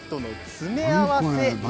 詰め合わせです。